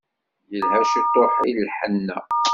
Yelha ciṭuḥ n lḥenna.